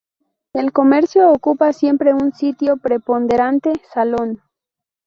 El comercio ocupa siempre un sitio preponderante Salón.